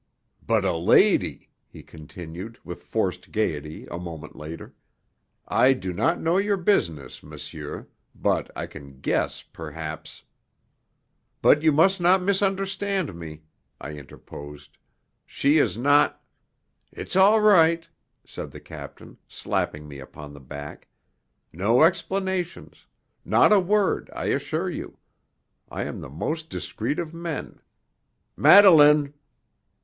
"But a lady!" he continued, with forced gaiety a moment later, "I do not know your business, monsieur, but I can guess, perhaps " "But you must not misunderstand me," I interposed. "She is not " "It's all right!" said the captain, slapping me upon the back. "No explanations! Not a word, I assure you. I am the most discreet of men. Madeleine!"